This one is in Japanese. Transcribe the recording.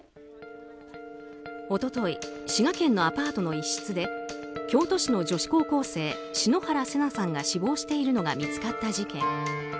一昨日滋賀県のアパートの一室で京都市の女子高校生篠原聖奈さんが死亡しているのが見つかった事件。